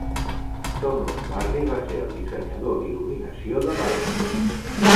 Tom Lombardi va ser el dissenyador d'il·luminació de "Barnum".